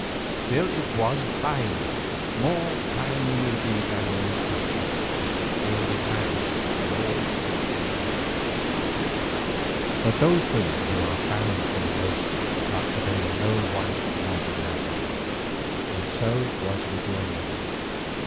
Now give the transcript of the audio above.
Still it was binding, more binding indeed than in this country, being a marriage in all except in fact. But those women who are thus bound for the most part bear no wife's love in their hearts, and so it was with your mother.